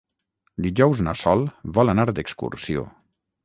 Dijous na Sol vol anar d'excursió.